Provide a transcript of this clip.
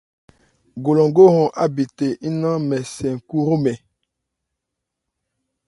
Golongo hɔn ábithe nnán mɛ́n cɛ́n-kú hromɛn.